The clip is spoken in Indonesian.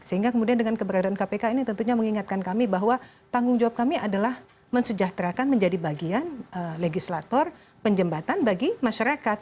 sehingga kemudian dengan keberadaan kpk ini tentunya mengingatkan kami bahwa tanggung jawab kami adalah mensejahterakan menjadi bagian legislator penjembatan bagi masyarakat